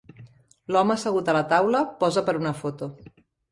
L'home assegut a la taula posa per una foto.